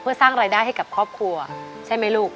เพื่อสร้างรายได้ให้กับครอบครัวใช่ไหมลูก